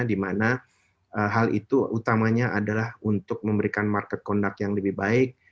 dimana hal itu utamanya adalah untuk memberikan market conduct yang lebih baik